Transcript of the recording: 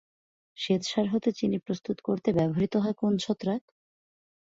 শ্বেতসার হতে চিনি প্রস্তুত করতে ব্যবহৃত হয় কোন ছত্রাক?